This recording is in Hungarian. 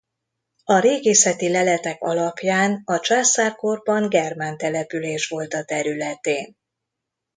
A régészeti leletek alapján a császárkorban germán település volt a területén.